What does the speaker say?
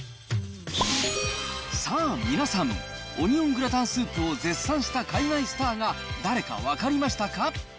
さあ、皆さん、オニオングラタンスープを絶賛した海外スターが誰か分かりましたか？